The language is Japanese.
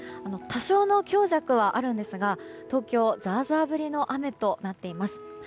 多少の強弱はあるんですが東京はザーザー降りの雨となっています。